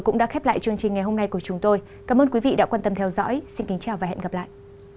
cảm ơn các bạn đã theo dõi và hẹn gặp lại